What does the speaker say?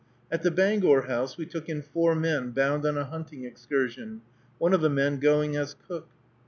At the Bangor House we took in four men bound on a hunting excursion, one of the men going as cook.